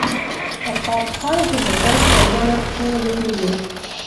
عقاب های هندوکش په لوړو کې لوبیږي.